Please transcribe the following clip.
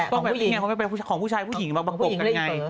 อันนั้นแหละคู่ชายของผู้หญิงมักประกบยันไง